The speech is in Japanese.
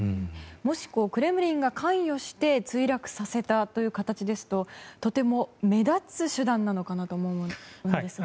もしクレムリンが関与して墜落させたという形ですととても目立つ手段なのかなと思うんですが。